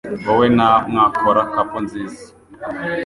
Wowe na mwakora couple nziza.